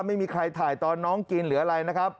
ไม่มีใครถ่ายตอนน้องกินหรืออะไรนะครับ